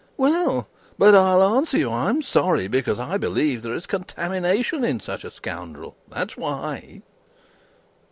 Well, but I'll answer you. I am sorry because I believe there is contamination in such a scoundrel. That's why."